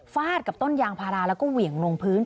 ฟาดกับต้นยางพาราแล้วก็เหวี่ยงลงพื้น